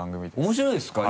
面白いですか？